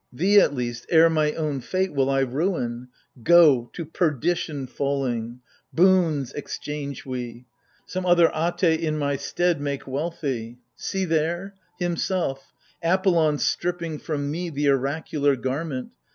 Thee, at least, ere my own fate will I ruin : Go, to perdition falling ! Boons exchange we — Some other Ate in my stead make wealthy ! See there — himself, ApoUon stripping from me The oracular garment